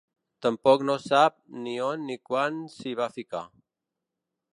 Tampoc no sap ni on ni quan s'hi va ficar.